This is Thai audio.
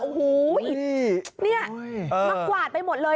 โอ้โหนี่มากวาดไปหมดเลย